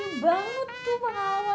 makanya lucu banget tuh pengalaman yang itu